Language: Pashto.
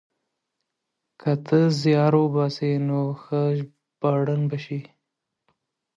که ته زيار وباسې نو ښه ژباړن به شې.